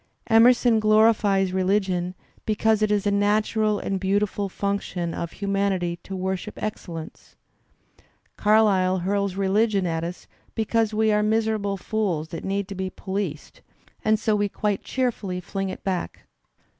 Emerson glorifies religion because it is a natural and beautiful function of humanity to worship excellence. Carlyle hurls religion at us because we are miserable fools that need to be policed, and so we quite cheerfully fling it back.